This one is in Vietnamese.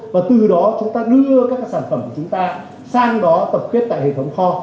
và từ đó chúng ta đưa các sản phẩm của chúng ta sang đó tập kết tại hệ thống kho